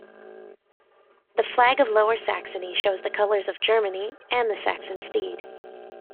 The flag of Lower Saxony shows the colors of Germany and the Saxon Steed.